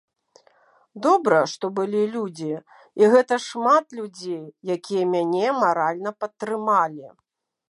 Добра, што былі людзі, і гэта шмат людзей, якія мяне маральна падтрымалі.